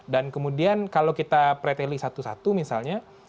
dan kemudian kalau kita pretelih satu satu misalnya